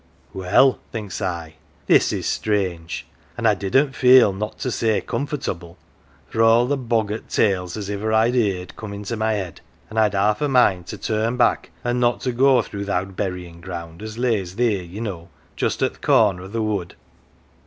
"' Well,' thinks I, ' this is strange !' an' I didn't feel not to say comfortable, for all the boggart tales as iver I'd heerd come into my head, an' I'd half a mind to turn back an' not go through th' owd buryin' ground as lays theer, ye know, just at th' corner o' the wood.